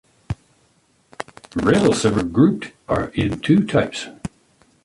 Rail services are grouped into two types.